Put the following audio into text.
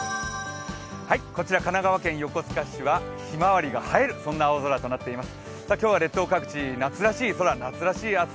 こちら神奈川県横須賀市はひまわりが生える、そんな青空となっています。